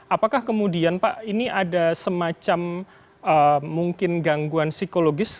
apakah kemudian pak ini ada semacam mungkin gangguan psikologis